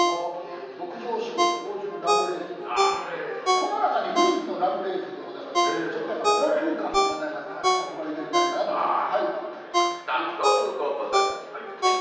この中で唯一のラムレーズンでございますし、ちょっと高級感もございますからいけるんじゃないかなと思って。